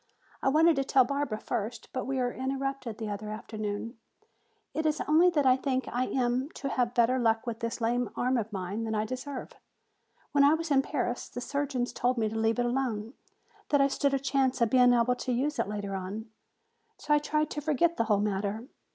"I wanted to tell Barbara first, but we were interrupted the other afternoon. It is only that I think I am to have better luck with this lame arm of mine than I deserve. When I was in Paris the surgeons told me to leave it alone, that I stood a chance of being able to use it later on. So I tried to forget the whole matter.